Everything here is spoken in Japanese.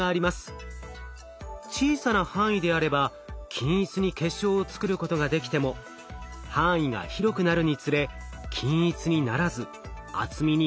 小さな範囲であれば均一に結晶を作ることができても範囲が広くなるにつれ均一にならず厚みにばらつきが出てきます。